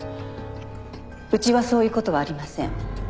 うちはそういう事はありません。